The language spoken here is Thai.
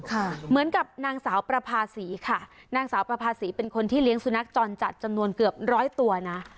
เหมือนกับนางสาวประภาษีค่ะนางสาวประภาษีเป็นคนที่เลี้ยงสุนัขจรจัดจำนวนเกือบร้อยตัวนะ